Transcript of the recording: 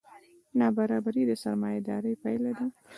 نابرابري د سرمایهدارۍ پایله ده.